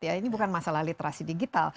ini bukan masalah literasi digital